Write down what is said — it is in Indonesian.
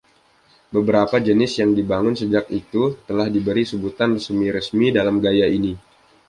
Beberapa jenis yang dibangun sejak itu telah diberi sebutan semi resmi dalam gaya ini.